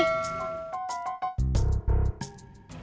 kamu ngapain di sini